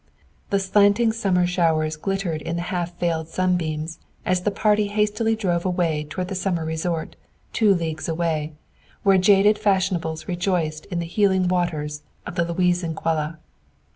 The slanting summer showers glittered in the half veiled sunbeams as the party hastily drove away toward the summer resort, two leagues away, where jaded fashionables rejoiced in the healing waters of the Louisen Quelle.